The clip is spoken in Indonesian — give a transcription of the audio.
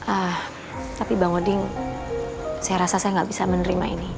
ah tapi bang oding saya rasa saya nggak bisa menerima ini